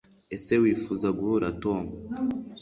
ese wifuza guhura tom